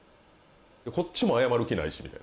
こっちも謝る気ないしみたいな。